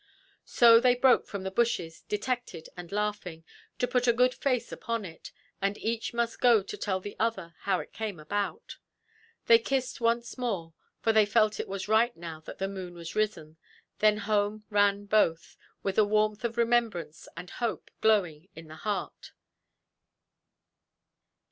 So they broke from the bushes, detected and laughing, to put a good face upon it, and each must go to tell the other how it came about. They kissed once more, for they felt it was right now that the moon was risen; then home ran both, with a warmth of remembrance and hope glowing in the heart.